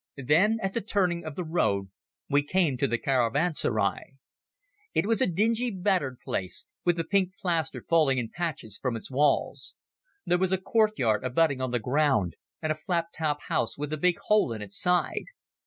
Then at the turning of the road we came to the caravanserai. It was a dingy, battered place, with the pink plaster falling in patches from its walls. There was a courtyard abutting on the road, and a flat topped house with a big hole in its side.